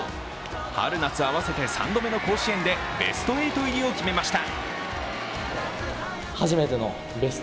春・夏合わせて３度目の甲子園でベスト８入りを決めました。